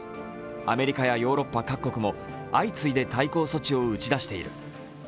アメリカやヨーロッパ各国も相次いで対抗措置を打ち出している。